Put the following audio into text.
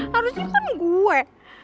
harusnya kan gue